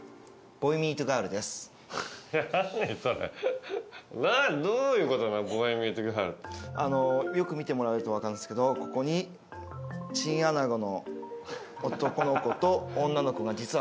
「ＢＯＹＭＥＥＴＳＧＩＲＬ」よく見てもらえると分かるんですけどここにチンアナゴの男の子と女の子が実は。